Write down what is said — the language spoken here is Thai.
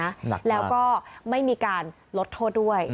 หนักแล้วก็ไม่มีการลดโทษด้วย